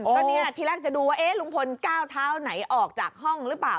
ก็เนี่ยทีแรกจะดูว่าลุงพลก้าวเท้าไหนออกจากห้องหรือเปล่า